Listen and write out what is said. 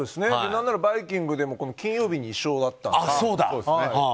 何なら「バイキング」でも金曜日で一緒だったから。